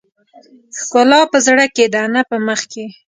ښکلا په زړه کې ده نه په مخ کې .